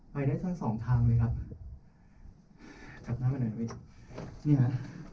ไปได้ทั้งสองทางเลยครับขับหน้ามาหน่อยเว้ยเนี่ย